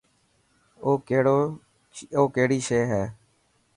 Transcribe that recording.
او ڪهڙي شي هي.